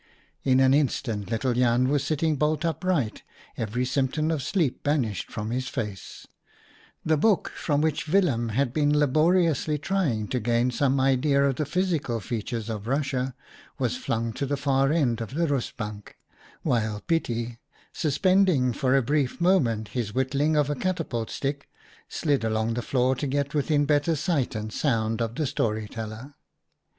HERON HAS CROOKED NECK 119 In an instant little Jan was sitting bolt upright, every symptom of sleep banished from his face ; the book from which Willem had been laboriously trying to gain some idea of the physical features of Russia was flung to the far end of the rustbank ; while Pietie, suspending for a brief moment his whittling of a catapult stick, slid along the floor to get within better sight and sound of the story teller.